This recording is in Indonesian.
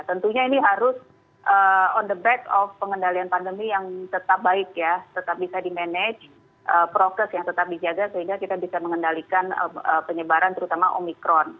tentunya ini harus on the back of pengendalian pandemi yang tetap baik ya tetap bisa dimanage prokes yang tetap dijaga sehingga kita bisa mengendalikan penyebaran terutama omikron